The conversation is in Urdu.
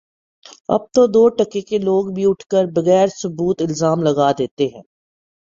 اب تو دو ٹکے کے لوگ بھی اٹھ کر بغیر ثبوت الزام لگا دیتے